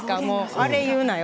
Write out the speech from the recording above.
あれ言うなよ